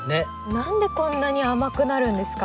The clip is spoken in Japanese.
何でこんなに甘くなるんですか？